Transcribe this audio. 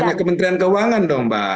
hanya kementerian keuangan dong mbak